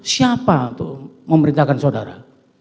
siapa tuh memerintahkan saudara